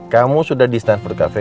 kamu sudah di stanford cafe